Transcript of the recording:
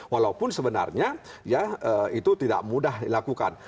walaupun sebenarnya ya itu tidak mudah dilakukan